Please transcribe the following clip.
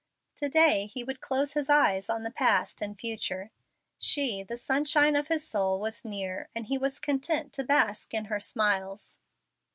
To day he would close his eyes on the past and future. She, the sunshine of his soul, was near, and he was content to bask in her smiles.